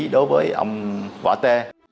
đối với ông võ t